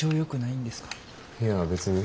いや別に。